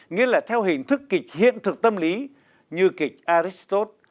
nghĩa là theo hình thức kịch hiện thực tâm lý như kịch aristot